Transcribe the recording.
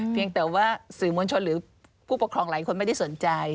เพียงแต่ว่าสื่อมวลชนหรือผู้ปกครองหลายคนไม่ได้สนใจ